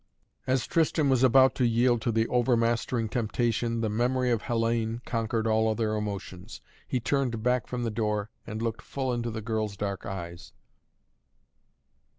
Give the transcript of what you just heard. As Tristan was about to yield to the overmastering temptation the memory of Hellayne conquered all other emotions. He turned back from the door and looked full into the girl's dark eyes.